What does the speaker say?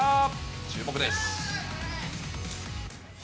注目です。